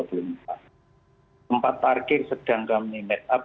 empat target sedang kami make up